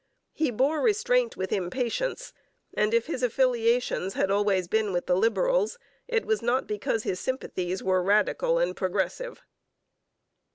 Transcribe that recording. He bore restraint with impatience, and if his affiliations had always been with the Liberals, it was not because his sympathies were radical and progressive.